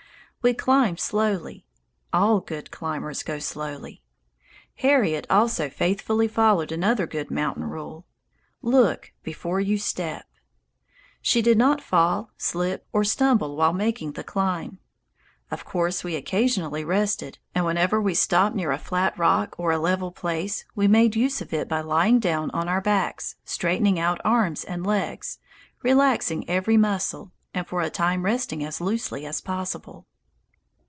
We climbed slowly; all good climbers go slowly. Harriet also faithfully followed another good mountain rule, "Look before you step." She did not fall, slip, or stumble while making the climb. Of course we occasionally rested, and whenever we stopped near a flat rock or a level place, we made use of it by lying down on our backs, straightening out arms and legs, relaxing every muscle, and for a time resting as loosely as possible.